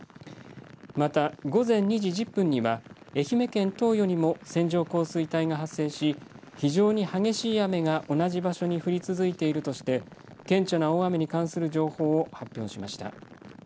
また、午前２時１０分には愛媛県東予にも線状降水帯が発生し非常に激しい雨が同じ場所に降り続いているとして顕著な大雨に関する情報を発表しました。